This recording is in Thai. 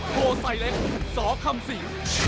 โถไซเล็กซศคทรี